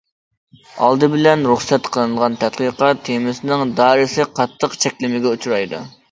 ئالدى بىلەن، رۇخسەت قىلىنغان تەتقىقات تېمىسىنىڭ دائىرىسى قاتتىق چەكلىمىگە ئۇچرايدۇ.